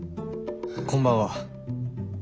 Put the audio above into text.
こんばんは。